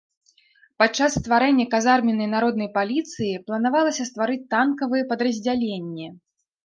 Падчас стварэння казарменнай народнай паліцыі планавалася стварыць танкавыя падраздзяленні.